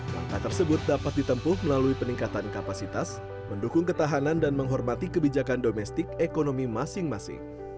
langkah tersebut dapat ditempuh melalui peningkatan kapasitas mendukung ketahanan dan menghormati kebijakan domestik ekonomi masing masing